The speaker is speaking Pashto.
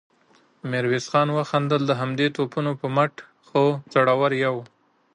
ميرويس خان وخندل: د همدې توپونو په مټ خو زړور يو.